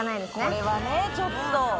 これはねちょっと。